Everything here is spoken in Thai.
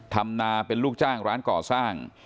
ทำนาเป็นลูกจ้างร้านก่อสร้าง